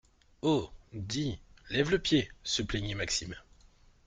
Oh, dis, lève le pied, se plaignit Maxime